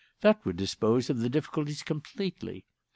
That would dispose of the difficulties completely.